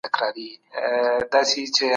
خلک د زده کړې ارزښت درک کړی دی.